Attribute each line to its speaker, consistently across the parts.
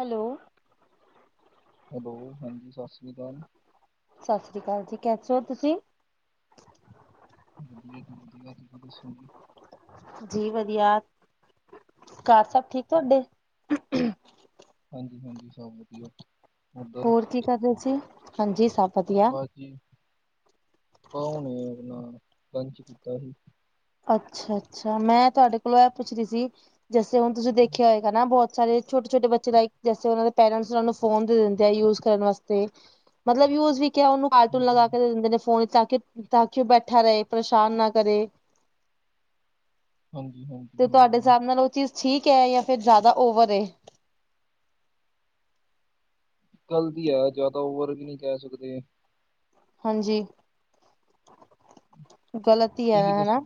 Speaker 1: Hello,
Speaker 2: hello ਹਾਂਜੀ ਸਤਿ ਸ੍ਰੀ ਅਕਾਲ।
Speaker 1: ਸਤਿ ਸ੍ਰੀ ਅਕਾਲ ਜੀ ਕੈਸੇ ਹੋ ਤੁਸੀਂ?
Speaker 2: ਵਧੀਆ ਜੀ ਵਧੀਆ ਤੁਸੀ ਸੁਣਾਓ?
Speaker 1: ਜੀ ਵਧੀਆ ਘਰ ਸਭ ਠੀਕ ਤੁਹਾਡੇ?
Speaker 2: ਹਾਂਜੀ-ਹਾਂਜੀ ਸਭ ਵਧੀਆ। ਉੱਧਰ
Speaker 1: ਹੋਰ ਕੀ ਕਰ ਰਹੇ ਸੀ, ਹਾਂਜੀ ਸਭ ਵਧੀਆ।
Speaker 2: ਬੱਸ ਹੁਣੇ, ਅਪਣਾ ਲੰਚ ਕੀਤਾ ਸੀ।
Speaker 1: ਅੱਛਾ ਅੱਛਾ ਮੈਂ ਤੁਹਾਡੇ ਕੋਲੋਂ ਇਹ ਪੁੱਛ ਰੀ ਸੀ, ਜੈਸੇ ਹੁਣ ਤੁਸੀਂ ਦੇਖਿਆ ਹੋਏਗਾ ਨਾ ਬਹੁਤ ਸਾਰੇ ਛੋਟੇ-ਛੋਟੇ ਬੱਚੇ ਲਾਇਕ ਜੈਸੇ, ਉਹਨਾਂ ਦੇ ਪੇਰੈਂਟਸ ਉਹਨਾਂ ਨੂੰ ਫੋਨ ਦੇ ਦਿੰਦੇ ਆ ਯੂਜ਼ ਕਰਨ ਵਾਸਤੇ। ਮਤਲਬ ਯੂਜ਼ ਵੀ ਕਿਆ ਉਹਨੂੰ ਕਾਰਟੂਨ ਲਗਾ
Speaker 2: ਹਮ,
Speaker 1: ਕੇ ਦੇ ਦਿੰਦੇ ਨੇ ਫੋਨ ਚ ਤਾਂ ਕਿ ਤਾਂ ਕਿ ਉਹ ਬੈਠਾ ਰਹੇ ਪਰੇਸ਼ਾਨ ਨਾ ਕਰੇ।
Speaker 2: ਹਾਂਜੀ-ਹਾਂਜੀ।
Speaker 1: ਤੇ ਤੁਹਾਡੇ ਹਿਸਾਬ ਨਾਲ ਉਹ ਚੀਜ਼ ਠੀਕ ਐ ਜਾ ਫਿਰ ਜ਼ਿਆਦਾ ਓਵਰ ਏ।
Speaker 2: ਗਲਦੀ ਐ ਜ਼ਿਆਦਾ ਓਵਰ ਵੀ ਨੀ ਕਹਿ ਸਕਦੇ।
Speaker 1: ਹਾਂਜੀ। ਗਲਤ ਈ ਐ
Speaker 2: ਤੁਸੀਂ
Speaker 1: ਹਨਾਂ,
Speaker 2: ਦੱਸੋ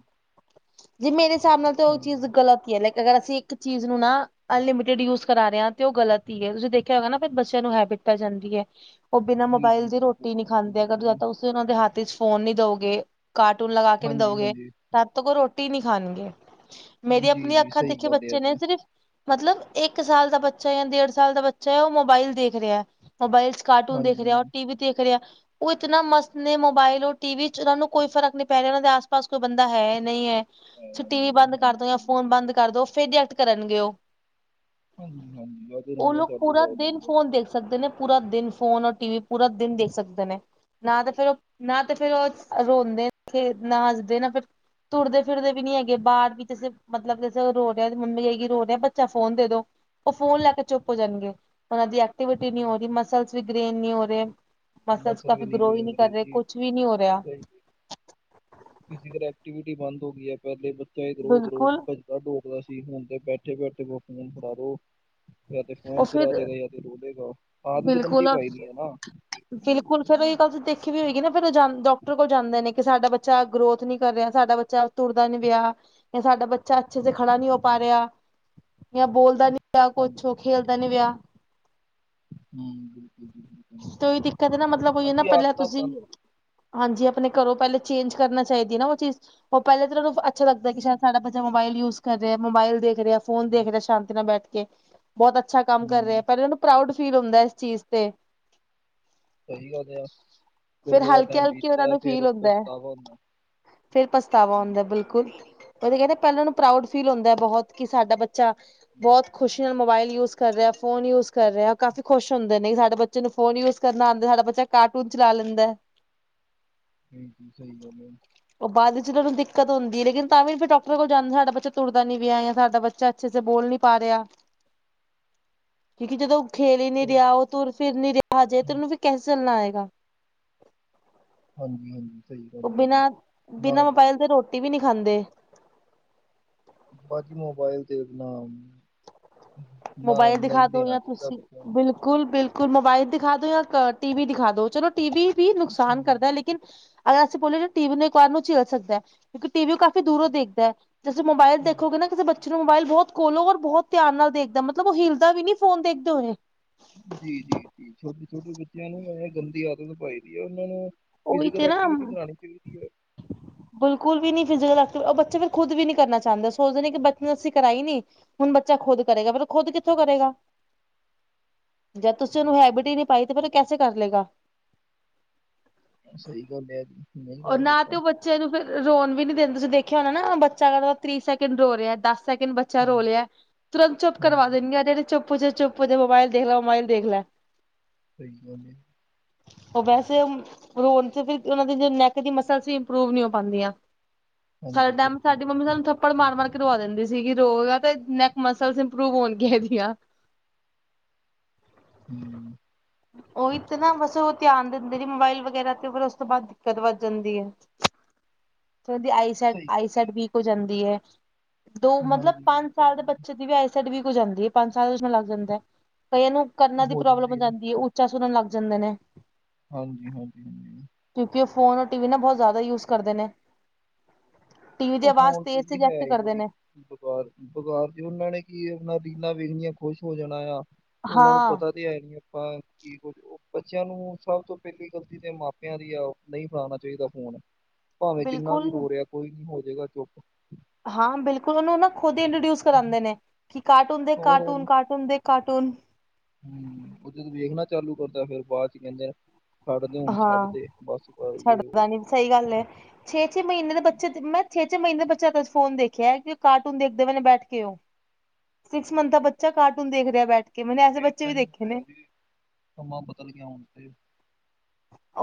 Speaker 1: ਜੀ ਮੇਰੇ ਹਿਸਾਬ ਨਾਲ ਤੇ ਉਹ ਚੀਜ਼
Speaker 2: ਹਾਂਜੀ
Speaker 1: ਗਲਤ ਲਾਇਕ, ਅਗਰ ਅਸੀਂ ਇੱਕ ਚੀਜ਼ ਨੂੰ ਨਾ ਅਨਲਿਮਿਟਿਡ ਯੂਜ਼ ਕਰਾ ਰੇ ਹਾਂ ਤੇ ਉਹ ਗਲਤ ਹੀ ਹੈ ਤੁਸੀਂ ਦੇਖਿਆ ਹੋਏਗਾ ਨਾ ਫਿਰ ਬੱਚਿਆਂ ਨੂੰ ਹੈਬਿਟ [unintelligible] ਜਾਂਦੀ ਏ, ਉਹ ਬਿਨਾਂ
Speaker 2: ਜੀ ਜੀ
Speaker 1: ਮੋਬਾਇਲ ਦੇ ਰੋਟੀ
Speaker 2: ਬਿਲਕੁਲ
Speaker 1: ਈ ਨਹੀਂ
Speaker 2: ਬਿਲਕੁਲ
Speaker 1: ਖਾਂਦੇ ਅਗਰ ਜਾਂ
Speaker 2: ਬਿਲਕੁਲ।
Speaker 1: ਤਾਂ ਤੁਸੀਂ ਉਹਨਾਂ ਦੇ ਹੱਥ ਚ ਫੋਨ ਨੀ ਦੋ ਗੇ ਕਾਰਟੂਨ ਲਗਾ ਕੇ ਨੀ ਦੋ
Speaker 2: ਹਾਂਜੀ
Speaker 1: ਗੇ
Speaker 2: ਹਾਂਜੀ
Speaker 1: ਸਗੋਂ ਰੋਟੀ ਈ ਨੀ ਖਾਣਗੇ, ਮੇਰੀ
Speaker 2: ਜੀ
Speaker 1: ਅਪਣਿਆ
Speaker 2: ਜੀ
Speaker 1: ਅੱਖਾਂ
Speaker 2: ਸਹੀ
Speaker 1: ਦੇਖੇ
Speaker 2: ਗੱਲ ਹੈ
Speaker 1: ਬੱਚੇ
Speaker 2: ਜੀ
Speaker 1: ਨੇ ਸਿਰਫ ਮਤਲਬ ਇੱਕ ਸਾਲ ਦਾ ਬੱਚਾ ਜਾਂ ਡੇਢ ਸਾਲ ਦਾ ਬੱਚਾ ਏ ਉਹ ਮੋਬਾਇਲ ਦੇਖ ਰਿਹਾ ਮੋਬਾਇਲ ਕਾਰਟੂਨ ਦੇਖ
Speaker 2: ਹਾਂਜੀ
Speaker 1: ਰਿਹਾ ਓਹ,
Speaker 2: ਹਾਂਜੀ
Speaker 1: ਟੀਵੀ ਦੇਖ ਰਿਹਾ ਉਹ ਇਤਨਾ ਮਸਤ ਨੇ ਮੋਬਾਇਲ ਹੋਰ ਟੀਵੀ ਚ ਉਹਨਾਂ ਨੂੰ ਕੋਈ ਫਰਕ ਨਹੀ ਪੈ ਰਿਹਾ ਉਹਨਾਂ ਦੇ ਆਸ-ਪਾਸ ਕੋਈ ਬੰਦਾ ਹੈ ਨਹੀਂ ਹੈ। ਤੁਸੀ
Speaker 2: ਹਾਂ,
Speaker 1: ਟੀਵੀ
Speaker 2: ਮੰਨਿਆ।
Speaker 1: ਬੰਦ ਕਰਦੋ ਜਾਂ
Speaker 2: ਹਾਂਜੀ
Speaker 1: ਫੋਨ ਬੰਦ ਕਰਦੋ, ਫਿਰ ਰੀਐਕਟ ਕਰਨਗੇ ਉਹ।
Speaker 2: ਹਾਂਜੀ ਹਾਂਜੀ ਅਜ
Speaker 1: ਉਹ
Speaker 2: ਰੋਣਾ
Speaker 1: ਲੋਕ
Speaker 2: ਚਾਲੂ
Speaker 1: ਪੂਰਾ
Speaker 2: ਕਰ
Speaker 1: ਦਿਨ
Speaker 2: ਦੇਣਗੇ
Speaker 1: ਫੋਨ ਦੇਖ ਸਕਦੇ ਨੇ ਪੂਰਾ ਦਿਨ। ਫੋਨ ਔਰ ਟੀ ਵੀ ਪੂਰਾ ਦਿਨ ਦੇਖ ਸਕਦੇ ਨੇ ਨਾ ਤੇ ਫੇਰ ਉਹ ਨਾ ਤੇ ਫੇਿਰ ਉਹ। ਰੋਂਦੇ ਨੇ ਤੇ ਨਾ ਹਸਦੇ ਨਾ ਫਿਰ ਤੁਰਦੇ ਫਿਰਦੇ ਵੀ ਨਹੀਂ ਹੈਗੇ ਬਾਹਰ ਵਿੱਚ ਜ ਮਤਲਬ ਰੋ ਰਿਹਾ ਮੰਮੀ ਜਾ ਰੋ ਰਿਹਾ ਬੱਚਾ ਫੋਨ ਦੇ ਦੋ ਉਹ ਫੋਨ ਲੈ ਕੇ ਚੁੱਪ ਹੋ ਜਾਣਗੇ ਉਹਨਾਂ ਦੀ ਐਕਟੀਵਿਟੀ ਨਹੀਂ ਹੋ ਰਹੀ ਮਸਲ ਵੀ ਗ੍ਰੇਨ ਨਹੀਂ ਹੋ ਰਹੇ। ਮਤਲਬ
Speaker 2: ਮਸਲ ਵੀ
Speaker 1: ਕਾਫੀ ਗਰੋ ਹੀ
Speaker 2: ਗਏ
Speaker 1: ਨਹੀਂ ਕਰ
Speaker 2: ਮੇਰੇ
Speaker 1: ਰਹੇ
Speaker 2: ਜੀ
Speaker 1: ਕੁਛ ਵੀ ਨਹੀਂ ਹੋ ਰਿਹਾ
Speaker 2: ਸਹੀ ਫਿਜ਼ਕਲ ਐਕਟੀਵਿਟੀ ਬੰਦ ਹੋ ਗਈ ਹੈ। ਪਹਿਲੇ ਬੱਚਾ ਗਰੋਹ ਗਰੋਹ
Speaker 1: ਬਿਲਕੁਲ
Speaker 2: ਦੌੜਦਾ ਸੀ ਹੁਣ ਤੇ ਬੈਠੇ ਫੋਨ ਫੜਾ ਦੋ। ਜਾਂ ਤੇ
Speaker 1: ਉਹ
Speaker 2: ਫੋਨ ਚਲਾ
Speaker 1: ਫਿਰ
Speaker 2: ਲੇਗਾ ਤੇ ਜਾਂ ਰੋਲੇਗਾ ਆਾਲਤ ਗੰਦੀ
Speaker 1: ਬਿਲਕੁਲ
Speaker 2: ਪਾਈ ਦੀ ਹੈ ਨਾ
Speaker 1: ਬਿਲਕੁਲ ਫੇਰ ਉਹਹੀ ਗੱਲ ਦੇਖੀ ਵੀ ਹੋਏਗੀ ਨ ਫਿਰ ਜਾਂ ਡਾਕਟਰ ਕੋਲ ਜਾਂਦੇ ਨੇ ਕਿ ਸਾਡਾ ਬੱਚਾ ਗਰੋਥ ਨੀ ਕਰ ਰਿਹਾ ਸਾਡਾ ਬੱਚਾ ਤੁਰਦਾ ਨੀ ਵਿਆਹ ਇਹ ਸਾਡਾ ਬੱਚਾ ਅੱਛੇ ਸ ਖੜਾ ਨਹੀ ਹੋ ਪਾ ਰਿਹਾ ਜਾਂ ਬੋਲਦਾ ਨੀ ਵਿਆਹ ਕੁਛ
Speaker 2: ਹਾਂਜੀ
Speaker 1: ਹੋ। ਖੇਲਦਾ ਨੀ ਵਿਆਹ
Speaker 2: ਹੂੰ ਬਿਲਕੁਲ ਜੀ ਬਿਲਕੁਲ
Speaker 1: ਕੋਈ ਦਿੱਕਤ ਨਾ ਮਤਲਬ ਕੋਈ ਨਾ
Speaker 2: ਅਸੀਂ
Speaker 1: ਪਲਿਆ
Speaker 2: ਆਦਤਾਂ
Speaker 1: ਤੁਸੀਂ
Speaker 2: ਗੰਦ
Speaker 1: ਹਾਂਜੀ ਆਪਣੇ ਘਰੋਂ ਪਹਿਲੇ ਚੇਂਜ ਕਰਨਾ ਚਾਹੀਦੀ ਨਾ ਉਹ ਚੀਜ਼ ਉਹ ਪਹਿਲਾਂ ਤਾਂ ਓਨ੍ਹਾ ਨੂੰ ਅੱਛਾ ਲੱਗਦਾ ਏ ਕਿ
Speaker 2: ਹੂੰ
Speaker 1: ਸ਼ਾਇਦ ਸਾਡਾ ਬੱਚਾ ਮੋਬਾਇਲ ਯੂਜ ਕਰ ਰਿਹਾ ਮੋਬਲ ਦੇਖ ਦੇਖ ਰਿਹਾ ਫੋਨ ਦੇਖ ਰਿਹਾ ਸ਼ਾਂਤੀ ਨਾਲ ਬੈਠ ਕੇ। ਬਹੁਤ ਅੱਛਾ ਕੰਮ ਕਰ ਰਿਹਾ,
Speaker 2: ਹੂੰ
Speaker 1: ਪਹਿਲੇ ਉਹਨੂੰ ਪ੍ਰਾਉਡ ਫੀਲ ਹੁੰਦਾ ਇਸ ਚੀਜ਼ ਤੇ।
Speaker 2: ਸਹੀ ਗੱਲ ਆ ਫੇਰ ਥੋੜਾ
Speaker 1: ਹਲਕੇ
Speaker 2: ਟਾਈਮ
Speaker 1: ਹਲਕੇ ਉਹਨਾਂ
Speaker 2: ਬੀਤਦਾ ਏ ਫੇਰ ਪਛਤਾਵਾ ਹੁੰਦਾ।
Speaker 1: ਫ਼ੇਰ ਪਛਤਾਵਾ
Speaker 2: ਹੂੰ,
Speaker 1: ਹਉਂਦਾ ਬਿਲਕੁਲ। ਉਹ ਤੇ ਕਹਿੰਦੇ ਪਹਿਲੇ ਉਹਨਾ ਨੂੰ ਪ੍ਰਾਊਡ ਫੀਲ ਹੁੰਦਾ ਬਹੁਤ ਕਿ ਸਾਡਾ ਬੱਚਾ
Speaker 2: ਹੂੰ,
Speaker 1: ਬਹੁਤ ਖੁਸ਼ੀ ਨਾਲ ਮੋਬਾਇਲ ਯੂਜ ਕਰ ਰਿਹਾ, ਫੋਨ ਯੂਜ ਕਰ ਰਿਹਾ। ਉਹ ਕਾਫ਼ੀ ਖੁਸ਼ ਹੁੰਦੇ ਨੇ ਸਾਡੇ ਬੱਚੇ ਨੂੰ ਫੋਨ ਯੂਜ ਕਰਨਾ ਆਂਦਾ ਸਾਡਾ ਬੱਚਾ ਕਾਰਟੂਨ ਚਲਾ ਲੈਂਦਾ
Speaker 2: ਨਹੀਂ ਜ ਸਹੀ ਗੱਲ ਹੈ।
Speaker 1: ਉਹ ਬਾਅਦ ਚ ਉਹਨ ਨੂੰ ਦਿੱਕਤ ਹੁੰਦੀ ਹੈ। ਲੇਕਿਨ ਤਾਂ ਵੀ ਫਿਰ ਡਾਕਟਰ ਕੋਲ ਜਾਂਦੇ ਸਾਡਾ ਬੱਚਾ ਤੁਰਦਾ ਨ ਪ ਜਾਂ ਸਾਡਾ ਬੱਚਾ ਅੱਛੇ ਬੋਲ ਨਹੀ ਪਾ ਰਿਹਾ ਕਿਉਂਕਿ ਜਦੋਂ ਖੇਲ ਹੀ ਨਹੀ
Speaker 2: ਸਹੀ
Speaker 1: ਰਿਹਾ ਉਹ ਤ ਫਿਰ ਨੀ ਰਿਹਾ ਜਾਜੇ ਤੇ
Speaker 2: ਹੂੰ,
Speaker 1: ਉਹਨੂੰ ਫਿਰ ਕੈਸੇ ਚੱਲਣਾ ਆਏਗਾ
Speaker 2: ਹਾਂਜੀ ਹਾਂਜੀ। ਸਹੀ
Speaker 1: ਉਹ
Speaker 2: ਗੱਲ ਹੈ ਜੀ
Speaker 1: ਬਿਨਾਂ
Speaker 2: ਨਾ
Speaker 1: ਬਿਨਾਂ ਮੋਬਾਇਲ ਦੇ ਰੋਟੀ ਵੀ ਨਹੀ ਖਾਂਦੇ
Speaker 2: ਬਾਕੀ ਮੋਬਾਈਲ ਤੇ ਇਨਾਮ
Speaker 1: ਮੋਬਾਇਲ ਦਿਖਾ ਦੋ
Speaker 2: ਦੇਣਾ
Speaker 1: ਜਾਂ
Speaker 2: ਚਾਹੀਦਾ
Speaker 1: ਤੁਸੀਂ
Speaker 2: ਬੱਚਿਆਂ
Speaker 1: ਬਿਲਕੁਲ
Speaker 2: ਨੂੰ
Speaker 1: ਬਿਲਕੁਲ ਬਿਲਕੁਲ ਮੋਬਾਈਲ ਦਿਖਾ ਦੋ ਜਾਂ ਟੀ ਵੀ ਦਿਖਾ ਦੋ ਚਲੋ ਟੀ ਵੀ ਨੁਕਸਾਨ ਕਰਦਾ ਹੈ ਲੇਕਿਨ ਅਗਰ ਅਸੀਂ ਬੋਲੇਏ ਟੀ ਵੀ ਨੂੰ ਇੱਕ ਵਾਰ ਨੂੰ ਝੇਲ ਸਕਦਾ ਹੈ। ਕਿਉਂਕਿ ਟੀ ਵੀ ਕਾਫੀ ਦੂਰੋਂ ਦੇਖਦਾ ਹੈ। ਤੁਸੀਂ ਮੋਬਾਇਲ ਦੇਖੋਗੇ ਨਾ ਕਿਸੇ ਬੱਚੇ ਨੂੰ ਮੋਬਾਇਲ ਬਹੁਤ ਖੋਲੋ ਰ ਬਹੁਤ ਧਿਆਨ ਨਾਲ ਦੇਖ ਮਤਲਬ ਉਹ ਹਿਲਦਾ ਵੀ ਨੀ ਫੋਨ ਦੇਖਦੇ ਹੋਏ
Speaker 2: ਜੀ ਜੀ ਜੀ ਛੋਟੇ ਛੋਟੇ ਬੱਚਿਆਂ ਨੂੰ ਇਹ ਗੰਦੀ ਆਦਤ ਪਾਈ ਰ ਹੈ ਉਹਨਾਂ ਨੂੰ
Speaker 1: ਉਹੀ
Speaker 2: ਫਿਜ਼ਕਲ
Speaker 1: ਤੇ ਨਾ
Speaker 2: ਐਕਵਿ ਬਣਾਉਣੀ ਚਾਹੀਦੀ ਹੈ
Speaker 1: ਬਿਲਕੁਲ ਵੀ ਨੀ ਫਿਜ਼ਕਲ ਉਹ ਬੱਚੇ ਫਿਰ ਖੁਦ ਵੀ ਕਰਨਾ ਚਾਹੁੰਦਾ ਸੋਚਦੇ ਕਿ ਬੱਚੇ ਨੇ ਅਸੀ ਕਰਾਈ ਨੀ ਹੁਣ ਬੱਚਾ ਖੁਦ ਕਰੇਗਾ ਪਰ ਖੁਦ ਕਿੱਥੋਂ ਕਰੇਗਾ। ਜਦ ਤੁਸੀਂ ਉਹਨੂੰ ਹੈਬਿਟ ਹੀ ਨਹੀ ਪਾਈ ਤੇ ਫਿਰ ਉਹ ਕੈਸੇ ਕਰ ਲਏਗਾ
Speaker 2: ਸਹੀ ਗੱਲ ਨਹੀਂ ਕਰ
Speaker 1: ਨਾ
Speaker 2: ਸਕਦਾ,
Speaker 1: ਤੇ ਉਹ ਬੱਚ ਬੱਚੇ ਨੂੰ ਫਿਰ ਰੋਣ ਵੀ ਨੀ ਦੇਦੇ ਤੁਸੀ ਦੇਖਿਆ ਹੋਣਾ ਨਾ ਬੱਚਾ ਤੀਹ ਸੈਕਿੰ ਰੋ ਰਿਹਾ ਦਸ ਸੈਕਿੰਡ ਬੱਚ। ਬਾ ਰੋ
Speaker 2: ਹਾਂਜੀ,
Speaker 1: ਲਿਆ ਤੁਰੰਤ ਚੁੱ ਕਰਵਾ
Speaker 2: ਹਾਂਜੀ,
Speaker 1: ਦੇਣਗੇੇ ਚੁੱਪ ਚੁੱਪ ਜੇ ਮੋਬਾਇਲ ਦੇਖ ਲੈ ਮੋਬਾਈਲ ਦੇਖ ਲੈ।
Speaker 2: ਸਹੀ ਗੱਲ
Speaker 1: ਉਹ ਵੈਸੇ ਰਣ ਤੇ ਫਿਰ ਉਹਨਾਂ ਦੀ ਨੈਕ ਮਸਲ ਇੰਪਰੂਵ ਨਹੀ ਹੋ। ਪਾਉਂਦੀਆਂ
Speaker 2: ਹਾਂਜੀ,
Speaker 1: ਸਾਡ ਟਾਈਮ
Speaker 2: ਬਿਲਕੁਲ
Speaker 1: ਸਾਡੀ
Speaker 2: ਜੀ,
Speaker 1: ਮੰਮੀ ਸਾਨੂੰ ਆਪੜ ਮਾਰ ਮਾਰ ਕੇ ਰਵਾ ਦਿੰਦੀ ਸੀਗੀ ਰੋ। ਤੇ ਨੈਕ ਮਸਲਸ ਇੰਪਰੂਵ ਹੋਣਗੀਆਂ ਇਹਦੀਆਂ [unintelligible]
Speaker 2: ਹਮ
Speaker 1: ਉਹੀ ਤੇ ਨਾ ਬਸ ਉਹ ਧਿਆਨ ਦਿੰਦੇ ਨੇ ਮੋਬਾਇਲ ਵਗੈਰਾ ਤੇ ਫਰ ਉਸ ਤੋਂ ਬਾਅਦ ਦਿੱਕਤ ਵੱਧ ਜਾਂਦੀ ਹੈਦੀ ਆਈਸੈ
Speaker 2: ਸਹੀ ਗੱਲ
Speaker 1: ਆਈਸੈਟ
Speaker 2: ਹੈ,
Speaker 1: ਵੀਕ ਹੋ ਜਾਂਦੀ ਹੈ ਦੋ ਮਤਲਬ
Speaker 2: ਹਾਂਜੀ,
Speaker 1: ਪੰਜ
Speaker 2: ਬਿਲਕੁਲ
Speaker 1: ਸਾਲ ਦੇ
Speaker 2: ਜੀ,
Speaker 1: ਬੱਚੇ ਦੀ ਵੀ ਆਇ ਸਡ ਵੀ ਹੋ ਜਾਂਦੀ ਪੰਜ ਸਾਲ ਲੱਗ ਜਾਂਦਾ ਹੈ ਕਈਆਂ ਨੂੰ ਕਰਨਾ ਦੀ ਪ੍ਰੋਬਲਮ ਹੋ
Speaker 2: ਜਾਂਦੇ ਨੇ,
Speaker 1: ਜਾਂਦੀ ਹੈ ਸੁਣਨ ਲੱਗ ਜਾਂਦੇ ਨੇ
Speaker 2: ਹਾਂਜੀ ਹਾਂਜੀ ਹਾਂਜੀ
Speaker 1: ਕਿਉਂਕਿ ਉਹ ਫੋਨ ਰ ਟੀ ਵੀ ਨਾ ਬਹੁਤ ਜ਼ਿਆਦਾ ਯੂਜ ਕਰਦੇ ਨੇ ਟੀਵ ਦੀ ਆਵਾਜ਼ ਤੇਜ਼ ਸਜੈਕਟ ਕਰਦੇ ਨੇ
Speaker 2: ਬਾਰ ਬੁਖਾਰ ਚ ਉਹਨਾਂ ਨੇ ਕੀ ਆਪਣਾ ਰੀਲ ਵੇਖਣੀਆਂ ਖੁਸ਼ ਹੋ ਜਾਣਾ ਆ ਉਹ ਨੂੰ
Speaker 1: ਹਾਂ
Speaker 2: ਪਤਾ ਨੀ ਆਪਾਂ ਕੀ ਕੁਝ ਬੱਚਿਆਂ ਨੂੰ ਸਭ ਤੋਂ ਪਹਿਲੀ ਗਲਤੀ ਤੇ ਮਾਪਿਆਂ ਦੀ ਆ ਉਹ ਨਹੀਂ ਫਲਾਉਣਾ ਚਾਹੀਦਾ ਫੋਨ
Speaker 1: [unintelligible]
Speaker 2: ਭਾਵੇਂ ਜਿੰਨਾ ਵੀ
Speaker 1: ਬਿਲਕੁਲ
Speaker 2: ਰੋ ਰਿਹਾ ਕੋਈ ਨੀ ਹੋ ਜਾਵੇਗਾ ਚੁੱਪ
Speaker 1: ਹਾਂ ਬਿਲਕੁਲ ਉਹਨੂੰ ਨਾ ਖੁਦ ਹੀ ਇੰਟਰੋਡਿਊਸ ਕਰਾਉਂਦੇ ਨੇ ਕਿ ਕਾਰਟੂਨ ਦੇਖ
Speaker 2: ਹੋਰ
Speaker 1: ਕਾਰਟੂਨ
Speaker 2: ਹੁਣ
Speaker 1: ਕਾਰਟੂਨ ਦੇਖ ਕਾਰਟੂਨ
Speaker 2: ਹੂੰ ਉਹਦੇ ਤੇ ਵੇਖਣਾ ਚਾਲੂ ਕਰਦਾ ਫੇਰ ਬਾਅਦ ਚ ਕਹਿੰਦੇ। ਛੱਡਦੇ ਹੁਣ
Speaker 1: ਹਾਂ
Speaker 2: ਛੱਡ ਦੇ ਬਸ ਕਰਏ
Speaker 1: ਛੱਡਦਾ
Speaker 2: ਉਹ।
Speaker 1: ਨੀ ਸਹੀ ਗੱਲ ਏ। ਛੇ ਛੇ ਮਹੀਨੇ ਦੇ ਬੱਚੇ ਮੈਂ ਛੇ ਛੇ ਮਨੇ ਦੇ ਬੱਚਾ ਫੋਨ ਦੇਖਿਆ ਕਾਰਟੂਨ ਦੇਖਦੇ ਮੈਨ ਬੈਠ ਕੇ। ਸਿਕਸ ਮੰਥ ਦਾ ਬੱਚਾ ਕਾਰਟੂਨ ਦੇਖ ਰਿਹਾ ਬੈਠ ਕੇ ਮੈੇ ਐਸੇ ਬੱਚੇ
Speaker 2: ਏਦਾਂ
Speaker 1: ਵੀ
Speaker 2: ਹੀ ਹੋ
Speaker 1: ਦੇਖੇ ਨੇ।
Speaker 2: ਗਿਆ ਜੀ ਸਮਾਂ ਬਦਲ ਕੇ ਆਣ ਤੇ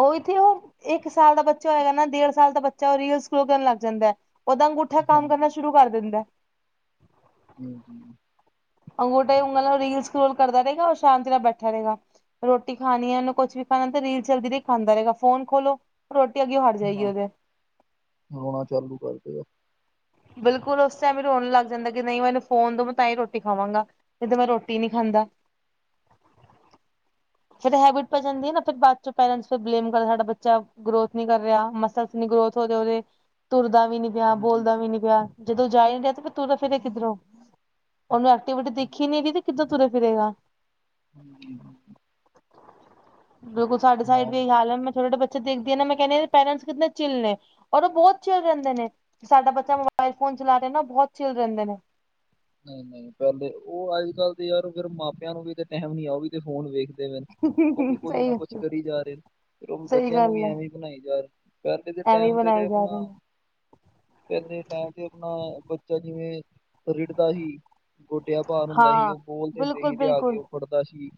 Speaker 1: ਉਹ ਇਥੇ ਉਹ ਇੱਕ ਸਾਲ ਦਾ ਬੱਚਾ ਹੋਏਗਾ ਨਾ ਡੇਢ ਸਾਲ ਦਾ ਬੱਚਾ ਉਹ ਰੀਲ ਸਕਰੋਲ ਕਰਨ ਲੱਗ ਜਾਂਦਾ ਦਾ ਅੰਗੂਠਾ ਕੰਮ ਕਰਨਾ
Speaker 2: ਹਾਂਜੀ
Speaker 1: ਸ਼ੁਰੂ ਕਰ ਦਿੰਦਾ
Speaker 2: ਹੂੰ ਹੂੰ
Speaker 1: ਅੰਗੂਠਾ ਉਂਗਲ ਨਾਲ ਰੀਲਸ ਸਕਰੋਲ ਕਰਦਾ ਰਹੇਗਾ ਓਰ ਸ਼ਾਂਤੀ ਨਾਲ ਬੈਠਾ ਰਹੇਗਾ ਰੋਟੀ ਖਾਣੀ ਏ ਉਹਨੂੰ ਕੁਛ ਵੀ ਖਾਣਾ ਰੀਲ ਚਲਦੀ ਰਹੀ ਖਾਂਦਾ ਰਹੇਗਾ ਫੋਨ ਖੋਲੋ ਰੋਟੀ ਅੱਗੇ ਹੜ ਜਾਏਗੀ
Speaker 2: ਨਾ
Speaker 1: ਉਹਦੇ
Speaker 2: ਰੋਣਾ ਚਾਲੂ ਕਰਦੇ ਗਾ
Speaker 1: ਬਿਲਕੁਲ ਉਸ ਟਾਈਮ ਹੀ ਰੋਣ ਲੱਗ ਜਾਂਦਾ ਕਿ ਨਹੀਂ ਮੈਨੂੰ ਫੋਨ ਤੋਂ ਮੈਂ ਤਾਂ ਹੀ ਰੋਟੀ ਖਾਵਾਂਗਾ ਜਦੋਂ ਮੈਂ ਰੋਟੀ ਨਹੀਂ ਖਾਂਦਾ ਫੇਿਰ ਹੈਬਿਟ ਪੈ ਜਾਂਦੀ ਨਾ ਫਿਰ ਬਾਅਦ ਚੋਂ ਪੇਰੈਂਟ ਫਿਰ ਬਲੇਮ ਕਰਦਾ ਸਾਡਾ ਬੱਚਾ ਗਰੋਥ ਨੀ ਕਰ ਰਿਹਾ ਮਸਲਸ ਨੀ ਗਰੋਥ ਹੋ ਜਾ ਉਹਦੇ ਤੁਰਦਾ ਵੀ ਨੀ ਪਿਆ
Speaker 2: ਹਾਂਜੀ
Speaker 1: ਬੋਲਦਾ ਵੀ ਨੀ ਪਿਆ ਜਦੋਂ ਜਾਇ [unintelligible] ਤੇ ਫਿਰ ਤੁਰੇ ਫਿਰੇ ਕਿੱਧਰੋਂ ਉਹਨੂੰ ਐਕਟੀਵਿਟੀ ਦਿਖ ਨ ਰਹੀ ਤੇ ਕਿੱਦਾਂ ਤੁਰੇ ਫਿਰੇਗਾ
Speaker 2: ਹਾਂਜੀਾਂ
Speaker 1: ਬਿਲਕੁਲ ਸਾਡੇ
Speaker 2: ਨਾ
Speaker 1: ਸਾਈਡ ਵੀ ਇਹੀ ਹਾਲ ਹੈ ਮੈਂ ਥੋੜੇ ਅੱਛਾ ਦੇਖਦੀ ਨਾ ਮੈਂ ਕਹਿੰ ਪੈਰੈਂਟਸ ਕਿੰਨੇ ਚਿੱਲ ਨੇ ਔਰ ਉਹ ਬਹੁਤ ਚਿਲ ਰਹਿੰਦੇ ਨੇ ਸਾਡਾ ਬੱਚਾ ਮੋਬਾਇਲ ਫੋਨ ਚਲਾ ਰਿਹਾ ਨਾ ਉਹ ਬਹੁਤ ਚਿਲ ਰਹਿੰਦੇ ਨੇ
Speaker 2: ਨਹੀਂ ਨਹੀਂ ਪਹਿਲੇ ਉਹ ਅੱਜ ਕੱਲ ਤੇ ਯਾਰ ਫਰ ਮਾਪਿਆਂ ਨੂੰ ਵੀ ਤੇ ਟਾਈਮ ਨ ਆ ਉਹ ਵੀ ਤੇ ਫੋਨ ਵੇਖਦੇ ਉਹ ਵੀ ਕੁਛ
Speaker 1: ਸਹੀ
Speaker 2: ਨਾ ਕੁਛ
Speaker 1: ਗੱਲ
Speaker 2: ਕਰੀ ਜਾ ਰਹੇ ਨੇ ਫਿਰ ਉਹ ਵੀ
Speaker 1: ਸਹੀ
Speaker 2: ਬੱਚਿਆਂ ਨੂੰ ਵੀ
Speaker 1: ਗੱਲ ਹੈ
Speaker 2: ਐਵੇਂ ਹੀ ਬਣਾਈ ਜਾ ਰ ਪਲੇ ਦੇ
Speaker 1: ਐਵੇਂ
Speaker 2: ਟਾਈਮ ਤੇ ਤੇ
Speaker 1: ਬਣਾਏ ਜਾ
Speaker 2: ਆਪਣਾ
Speaker 1: ਰਹੇ ਨੇ [unintelligible]
Speaker 2: ਪੇਲੇ ਟਾਈਮ ਤੇ ਆਪਣਾ ਬੱਚਾ ਜਿਵੇਂ ਰਿੜਦਾ ਸੀ ਗੋਡਿਆ ਭਾਰ ਹੁੰਦਾ ਸੀ
Speaker 1: ਹਾਂ
Speaker 2: ਉਹ ਬੋਲ ਦਿੰਦੇ
Speaker 1: ਬਿਲਕੁਲ
Speaker 2: ਸੀ ਲਿਆ ਕੇ
Speaker 1: ਬਿਲਕੁਲ
Speaker 2: ਉਹ ਫੜਦਾ ਸੀ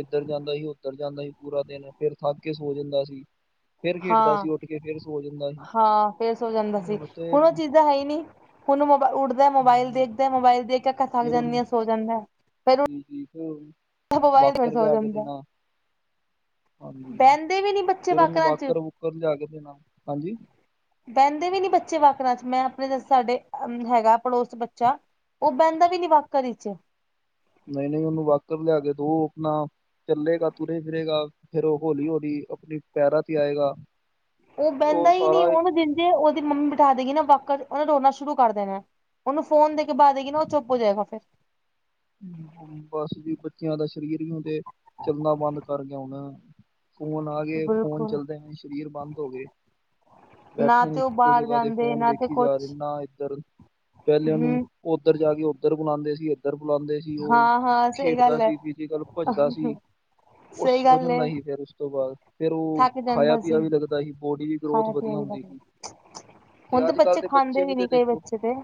Speaker 2: ਇੱਧਰ ਜਾਂਦਾ ਸੀ ਉੱਧਰ ਜਾਂਦਾ ਸੀ ਪੂਰਾ ਦਿਨ ਫਿਰ ਥੱਕ ਕੇ ਸੋ ਜਾਂਦਾ ਸੀ ਫੇਰ ਖੇਡਦਾ
Speaker 1: ਹਾਂ
Speaker 2: ਸੀ ਉੱਠ ਕੇ ਫੇਰ ਸੋ ਜਾਂਦਾ ਸੀ
Speaker 1: ਹਾਂ ਫੇਰ ਸੋ ਜਾਂਦਾ ਸੀ ਹੁਣ ਉਹ ਚੀਜ਼ਾਂ ਹੈ ਹੀ ਨਹੀ ਉਹਨੂੰ ਮੋਬ ਉੱਡਦਾ ਮੋਬਾਇਲ
Speaker 2: ਹਮ,
Speaker 1: ਦੇਖਦਾ ਮੋਬਾਇਲ ਦੇਖ ਅੱਖਾਂ ਥੱਕ
Speaker 2: ਫਿਰ ਉਹਨੂੰ
Speaker 1: ਜਾਂਦੀਆਂ ਸੋ ਜਾਂਦਾ ਫਿਰ [unintelligible]
Speaker 2: ਜੀ ਜੀ ਫਿਰ
Speaker 1: ਮੋਬਾਈਲ ਦਿਓ ਫਿਰ
Speaker 2: ਵਾਕਰ
Speaker 1: ਸੋ
Speaker 2: ਲਿਆ ਕੇ
Speaker 1: ਜਾਂਦਾ [unintelligible]
Speaker 2: ਦੇਣਾ ਹਾਂਜੀ
Speaker 1: ਬਹਿੰਦੇ ਵੀ ਨੀ ਬੱਚੇ
Speaker 2: ਫਿਰ ਉਹਨੂੰ
Speaker 1: ਵਾਕਰਾਂ ਚ
Speaker 2: ਵਾਕਰ ਵੁਕਰ ਲਿਆ ਕੇ ਦੇਣਾ ਹਾਂਜੀ
Speaker 1: ਬਹਿੰਦੇ ਵੀ ਨੀ ਬੱਚੇ ਵਾਕਰਾਂ ਚ ਮੈਂ ਆਪਣੇ ਸਾਡੇ ਅ ਹੈਗਾ ਪੜੋਸ ਬੱਚਾ ਉਹ ਬਹਿੰਦਾ ਵੀ ਨੀ ਵਾਕਰ ਵਿਚ
Speaker 2: ਨਹੀਂ ਨਹੀਂ ਉਹਨੂੰ ਵਾਕਰ ਲਿਆ ਕੇ ਦੋ ਆਪਣਾ ਚੱਲੇਗਾ ਤੁਰੇ ਫਿਰੇਗਾ ਫੇਰ ਉਹ ਹੋੌਲੀ ਹੋਲੀ ਆਪਣੀ ਪੈਰਾਂ ਤੇ ਆਏਗਾ
Speaker 1: ਉਹ ਬਹਿੰਦਾ ਹੀ ਨਹੀਂ ਉਹਨੂੰ ਜੇ ਉਹਦੀ ਮੰਮੀ ਬਿਠਾ ਦੇਗੀ ਨਾ ਵਾਕਰ ਚ ਉਹਨੇ ਰੋਣਾ ਸ਼ੁਰੂ ਕਰ ਦੇਣਾ ਉਹਨੂੰ ਫੋਨ ਕੇ ਬਾਅ ਦੇਗੀ ਨਾ ਉਹ ਚੁੱਪ ਹੋ ਜਾਏਗਾ ਫਿਰ
Speaker 2: ਬਸ ਜੀ ਬੱਚਿਆਂ ਦਾ ਸਰੀਰ ਹੀਉ ਤੇ ਚੱਲਣਾ ਬੰਦ ਕਰ ਗਿਆ ਹੁਣਾ ਫੋਨ ਆ ਗਏ ਫੋਨ
Speaker 1: ਬਿਲਕੁਲ
Speaker 2: ਚੱਲਦੇਏ ਸਰੀਰ ਬੰਦ ਹੋ ਗਏ
Speaker 1: ਨਾ
Speaker 2: ਬੈਠੇ ਨੇ
Speaker 1: ਤੇ ਉਹ
Speaker 2: ਇੱਕੋ
Speaker 1: ਬਾਹਰ
Speaker 2: ਜਗ੍ਹਾ ਤੇ
Speaker 1: ਜਾਂਦੇ
Speaker 2: ਫ਼ੋਨ
Speaker 1: ਨਾ ਤੇ
Speaker 2: ਵੇਖੀ ਜਾ
Speaker 1: ਕੁਛ
Speaker 2: ਦਿੰਨਾ ਇੱਧਰ ਪਹਿਲਿਆਂ ਨੂੰ
Speaker 1: ਹਮ
Speaker 2: ਉੱਧਰ ਜਾ ਕੇ ਉੱਧਰ ਬੁਲਾਉਂਦੇ ਸੀ ਇੱਧਰ ਬੁਲਾਉਂਦੇ ਉਹ
Speaker 1: ਹਾਂ ਹਾਂ ਸਹੀ
Speaker 2: ਖੇਡਦਾ
Speaker 1: ਗੱਲ ਹੈ
Speaker 2: ਸੀ [unintelligible] ਭੱਜਦਾ ਸੀ ਉਹ
Speaker 1: ਸਹੀ
Speaker 2: ਸੋ
Speaker 1: ਗੱਲ ਏ
Speaker 2: ਜਾਂਦਾ ਸੀ ਫੇਰ ਉਸ ਤੋਂ ਬਾਅਦ ਫੇਰ ਉਹ
Speaker 1: ਥੱਕ
Speaker 2: ਖਾਇਆ
Speaker 1: ਜਾਂਦਾ
Speaker 2: ਪੀਆ
Speaker 1: ਸੀ
Speaker 2: ਵੀ ਲੱਗਦਾ ਸੀ ਬੋਡੀ ਦੀ ਗਰੋਥ
Speaker 1: ਖਾਇਆ ਪੀਆ
Speaker 2: ਵਧੀਆ
Speaker 1: ਵੀ ਲ
Speaker 2: ਹੁੰਦੀ ਸੀ
Speaker 1: ਹੁਣ ਤੇ
Speaker 2: ਅੱਜ ਕੱਲ੍ਹ
Speaker 1: ਬੱਚੇ ਖਾਂਦੇ ਵੀ ਨਹੀ ਕਈ ਬੱਚੇ ਤੇ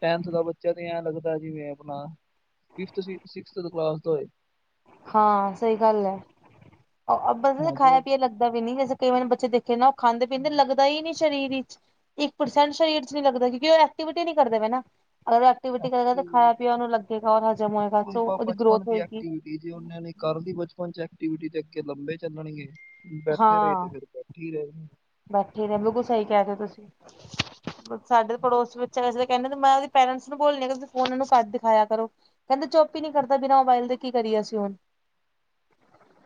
Speaker 2: ਟੈਂਨਥ ਦਾ ਬੱਚਾ ਤੇ ਐਂ ਲੱਗਦਾ ਜਿਵੇਂ ਆਪਣਾ ਤੁਸੀ ਸਿਕਸਥ ਕਲਾਸ ਤੇ
Speaker 1: ਹਾਂ ਸਹੀ ਗੱਲ ਹੈ ਗਲ ਏ
Speaker 2: ਹੁਣ ਤੇ
Speaker 1: ਖਾਇਆ ਪੀਆ ਲੱਗਦਾ ਵੀ ਨਹੀਂ ਜੈਸੇ ਕਿਵੇਂ ਨੇ ਬੱਚੇ ਦੇਖੇ ਨਾ ਉਹ ਖਾਂਦੇ ਪੀਦੇੱ ਲਗਦੇ ਹੀ ਨੀ ਸਰੀਰ ਵਿੱਚ ਇੱਕ ਪਰਸੈਂਟ ਸਰੀਰ ਚ ਨੀ ਲੱਗਦਾ ਕਿਉਂਕਿ ਉਹ ਐਕਟੀਵਿਟੀ ਨਹੀਂ ਕਰਦੇ ਪਾਏ ਨਾ ਅਗਰ ਉਹ ਐਕਟੀਵਿਟੀ ਕਰੇਗਾ ਤਾਂ
Speaker 2: ਐਕਟਿਵ
Speaker 1: ਖਾਇਆ ਪੀਓ ਉਹਨੂੰ ਲੱਗੇਗਾ ਰ ਹਜ਼ਮ ਹੋਏਗਾ
Speaker 2: ਉਹੀ
Speaker 1: ਸੋ
Speaker 2: ਬ
Speaker 1: ਉਹਦੀ
Speaker 2: ਬਚਪਨ
Speaker 1: ਗਰੋਥ
Speaker 2: ਦੀ
Speaker 1: ਹੋਏਗੀ
Speaker 2: ਐਕਟੀਵਿਟੀ ਜੇ ਉਹ ਨੇ ਕਰ ਦੀ ਬਚਪਨ ਚ ਐਕਟੀਵਿਟੀ ਤੇ ਅੱਗੇ ਲੰਬੇ ਚੱਲਣਗੇਏ ਬੈਠੇ ਰਹੇ ਤੇ
Speaker 1: ਹਾਂ
Speaker 2: ਫਿਰ ਕੀ ਲਓ
Speaker 1: ਬੈਠੇ ਰਹੁ ਬਿਲਕੁਲ ਸਹੀ ਕਹਿ ਰੇ ਤੁਸੀਂ ਸਾਡੇ ਪੜੋਸ ਬੱਚਾ ਵੇ ਕਹਿੰਦੇ ਮੈਂ ਉਹਦੇ ਪੇਰੈਂਟਸ ਨੂੰ ਬੋਲਣੀ ਤੁਸੀਂ ਫੋਨ ਇਹਨੂੰ ਕੱਢ ਦਿਖਾਇਆ ਕਰੋ ਕਹਿੰਦੇ ਚੁੱਪ ਹੀ ਨਹੀਂੀ ਕਰਦਾ ਬਿਨਾਂ ਮੋਬਾਈਲ ਦੇ ਕੀ ਕਰੀਏਸੀਂ ਹੁਣ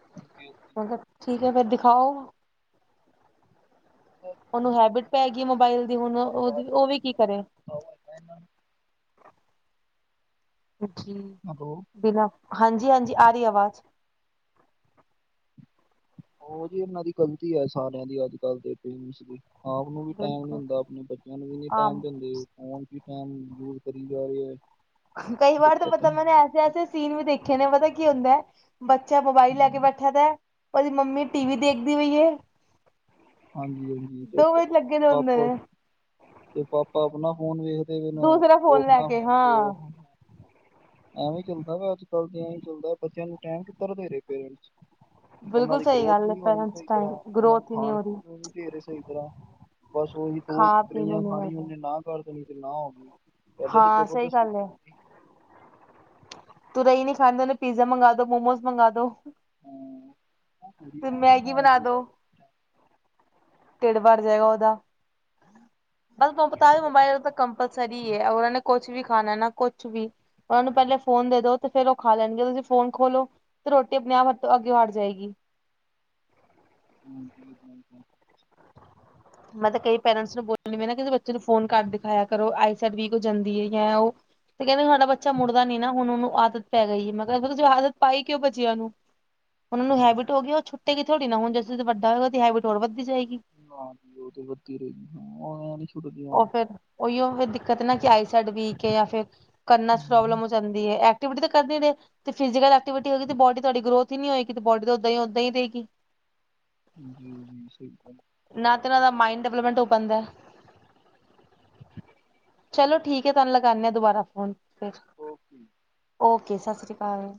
Speaker 2: ਰਹਿਣਗੇ
Speaker 1: ਮ ਕਿਹਾ ਠੀਕ ਹੈ ਫੇਰ ਦਿਖਾਓ ਉਹਨੂੰ ਹੈਬਿਟ ਪੈ ਗਈ ਮੋਬਾਇਲ ਦੀ ਹੁਣ ਉਹ ਉਹ ਵੀ ਕੀ ਕਰੇ
Speaker 2: [unintelligible]
Speaker 1: ਜੀ
Speaker 2: ਹੈਲੋ
Speaker 1: ਬਿਨਾਂ ਹਾਂਜੀ ਹਾਂਜੀ ਆ ਰਹੀ ਆਵਾਜ਼
Speaker 2: ਉਹ ਜ ਇਹਨਾਂ ਦੀ ਗਲਤੀ ਹੈ ਸਾਰਿਆਂ ਦੀ ਅੱਜ ਕੱਲ੍ਹ ਦੇ ਪਪਰੇਂਟਸ ਦੀ ਆਪ ਨੂੰ ਵੀ ਟਾਈਮ ਨਹੀਂ
Speaker 1: ਬਿਲਕੁਲ
Speaker 2: ਹੁੰਦਾ ਆਪਣੇ ਬੱਚਿਆਂ ਨੂੰ ਵੀ ਨਹੀਂ
Speaker 1: ਹਾਂ
Speaker 2: ਟਾਈਮ ਦੇਂਦੇ ਫੋਨ ਕੀ ਟਾਈਮ ਯੂਜ ਕਰੀ ਜਾ ਰਹੀ ਹੈ
Speaker 1: ਕਈ ਵਾਰ ਤਾਂ
Speaker 2: ਦਿੱਕਤ ਹੈ
Speaker 1: ਪਤਾ ਮੈਨੇ ਐਸੇ ਐਸੇ ਸੀਨ ਵੀ ਦੇਖੇ ਨੇ ਪਤਾ ਕੀ ਹੁੰਦਾ ਹੈ ਬੱਚਾ ਮੋਬਾਈਲ ਲੈ ਕੇ ਬੈਠੇ ਖਿਆ ਉਹਦੀ ਮੰਮੀ ਟੀ ਵੀ ਦੇਖਦੀ ਹੋਈਏ
Speaker 2: ਹਾਂਜੀ ਹਾਂਜੀ ਤੇ
Speaker 1: ਲੱਗੇ ਦੇ ਹੁੰਦੇ
Speaker 2: ਪਾਪਾ
Speaker 1: ਨੇ
Speaker 2: ਤੇ ਪਾਪਾ ਆਪਣਾ ਫੋਨ ਵੇਖ ਵੀਨ
Speaker 1: ਦੂਸਰਾ
Speaker 2: ਉਹ
Speaker 1: ਫੋਨ ਲੈ
Speaker 2: ਆਪਣਾ
Speaker 1: ਕੇ
Speaker 2: ਹੋਣ ਤੇ ਉਹ
Speaker 1: ਹਾਂ
Speaker 2: ਹੋਣ ਐਵੇ ਹੀ ਚੱਲਦਾ ਵਾ ਅੱਜ ਕੱਲ ਐਵੇ ਹੀ ਚੱਲਦਾ ਬੱਚਿਆਂ ਨੂੰ ਟਾਈਮ ਕਿੱਧਰ ਦੇ ਰਹੇ ਪੇਰੈਂਟਸ ਉਹਨਾਂ
Speaker 1: ਬਿਲਕੁਲ
Speaker 2: ਦੀ
Speaker 1: ਸਹੀ
Speaker 2: ਗਰੋਥ
Speaker 1: ਗੱਲ
Speaker 2: ਵੀ
Speaker 1: ਹੈ
Speaker 2: ਨਹੀਂ ਹੋਣੀ
Speaker 1: ਪੇਰੈਂਟਸ
Speaker 2: ਸਈ ਤਰ੍ਹਾਂ
Speaker 1: ਟਾਈਮ
Speaker 2: ਉਹਨਾਂ ਨੂੰ
Speaker 1: ਗਰੋਥ ਹੀ ਨਹੀਂ
Speaker 2: ਖਾਣ
Speaker 1: ਹੋ ਰਹੀ
Speaker 2: ਫੇਰੇ ਸਹੀ ਤਰ੍ਹਾਂ ਬਸ ਉਹੀ ਦੋ
Speaker 1: ਖਾ ਪੀ
Speaker 2: ਗਰੇਹੀਆਂ
Speaker 1: ਨੂੰ ਨੀ ਮਿਲ
Speaker 2: ਖਾਣੀ
Speaker 1: ਰਿਹਾ
Speaker 2: ਉਹਨੇ ਨਾ ਕਰ ਦੇਣੀ ਤੇ ਨਾ ਹੋ ਗਈ ਕਦੇ ਤੇ
Speaker 1: ਹਾਂ ਸਹੀ
Speaker 2: ਜਬਰਦਸਤੀ
Speaker 1: ਗੱਲ ਹੈ
Speaker 2: ਪਾ ਦੀ
Speaker 1: ਤੂੰ ਰਹੀ ਨੀ ਖਾਣਦੇ ਉਹਨੇ ਪੀਜ਼ਾ ਮੰਗਵਾ ਦੋ ਮੋਮੋਜ਼ ਮੰਗਵਾ ਦੋ
Speaker 2: ਹਮ
Speaker 1: ਤੇ ਮੈਗੀ ਬਣਾ ਦੋ ਟੀਡ ਭਰ ਜਾਏਗਾ ਉਹਦਾ ਬਸ ਬਸ ਬਤਾ
Speaker 2: ਢਿੱਡ
Speaker 1: ਦਿ
Speaker 2: ਭਰਨ
Speaker 1: ਮੋਬਾਇਲ ਉਤੇ
Speaker 2: ਵਾਸਤੇ
Speaker 1: ਕਮ ਕੰਪਸਰੀ ਹੈ ਉਹਨਾਂ ਨੇ ਕੁਛ ਵੀ ਖਾਣਾ ਨਾ ਕੁਛ ਵੀ ਉਹਨਾਂ ਨੂੰ ਪਹਿਲੇ ਫੋਨ ਦੇ ਦੋ ਤੇ ਫਿਰ ਉਹ ਖਾ ਲੈਣਗੇ ਤੁਸੀਂ ਫੋਨ ਖੋਲੋ ਤੇ ਰੋਟੀ ਆਪਣੇ ਆਪ ਹੱ ਅੱਗੇ ਵੜ ਜਾਏਗੀ
Speaker 2: ਹਾਂਜੀ ਬਿਲਕੂਲ
Speaker 1: ਮੈਂ ਕਈ ਪੇਰੈਂਟਸ ਨੂੰ ਬੋਲਣੀ ਮੈਂ ਨਾ ਕਿਸੇ ਬੱਚੇ ਨੂੰ ਫੋਨ ਕਰ ਦਿਖਾਇਆ ਕਰੋ ਆਈ ਸਾਈਡ ਵੀਕ ਹੋ ਜਾਂਦੀ ਹੈ ਜਾਂ ਉਹ ਤੇ ਕਹਿੰਦੇ ਸਾਡਾ ਬੱਚਾ ਮੁੜਦਾ ਨੀ ਨਾ ਹੁਣ ਉਹਨੂੰ ਆਦਤ ਪੈ ਗਈ ਹੈ ਮੈਂ ਕਿਹਾ ਆਦਤ ਪਾਈ ਕਿਉ ਬਚੀਆ ਨੂੰ ਉਹਨਾਂ ਨੂੰ ਹੈਬਟ ਹੋ ਗ ਉਹ ਛੁਟੇ ਹੀ ਥੋੜ੍ਹ ਨਾ ਹੁ ਜ ਤੁ ਵੱਡ ਹੋਏਗਾ ਤਾਂ ਹੈਬਿਟ ਹੋਰ ਵੱਦੀ ਜਾਏਗੀ
Speaker 2: ਹਾਂਜੀ ਓਹ ਤੇ ਹੈ ਥੀਰੇ, ਹੈ ਇਹ ਵੀ
Speaker 1: ਉਹ ਫੇਰ ਉਹੀਓ ਫਿਰ ਦਿੱਕਤ ਨਾ ਕਿ ਆਈ ਸਾਈਡ ਵੀਕ ਹੈ ਜਾਂ ਫਿਰ ਕਨਾਂ ਚ
Speaker 2: ਹਮ,
Speaker 1: ਪ੍ਰੋਬਲਮ ਜਾਂਦੀ ਏ, ਐਕਟੀਵਿਟੀ ਤਾਂ ਕਰਦੇ ਨੇ। ਤੇ ਫਿਜ਼ਕਲ ਐਕਟੀਵਿਟੀ ਹੋਗੀ ਤਾਂ ਬੋਡੀ ਤੁਹਾਡੀ ਗਰੋਥ ਹੀ ਨਹੀਂ ਹੋਏਗੀ ਬੋਡੀ ਤਾ ਉਦਾਂ ਹੀ ਉੱਦਾ ਹੀ ਰਹੇਗੀ।
Speaker 2: ਜੀ, ਜੀ ਸਹੀ ਗੱਲ
Speaker 1: ਨਾ ਤੇ ਉਹਨਾ ਦਾ ਮਾਇੰਡ ਡਿਵਲਪਮੈਂਟ ਹੋ ਪਾਂਦਾ। ਚਲੋ ਠੀਕ ਹੈ ਤੁਹਾਨੂੰ ਲਗਾਂਨੇ ਆ ਦੁਬਾਰਾ ਫ਼ੋਨ। ਫ
Speaker 2: ਓਕੇ
Speaker 1: ਓਕੇ ਸਤਿ ਸ੍ਰੀ ਅਕਾਲ।